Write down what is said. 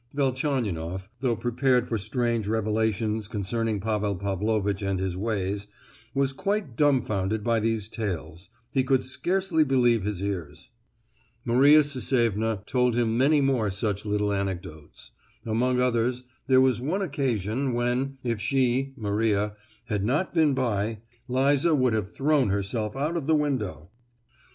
Velchaninoff, though prepared for strange revelations concerning Pavel Pavlovitch and his ways, was quite dumbfounded by these tales; he could scarcely believe his ears. Maria Sisevna told him many more such little anecdotes. Among others, there was one occasion, when, if she (Maria) had not been by, Liza would have thrown herself out of the window.